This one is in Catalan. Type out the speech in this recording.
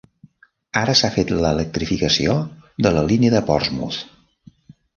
Ara s'ha fet l'electrificació de la línia de Portsmouth.